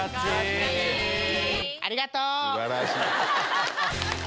ありがとう。